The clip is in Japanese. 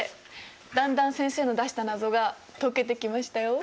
だんだん先生の出した謎が解けてきましたよ。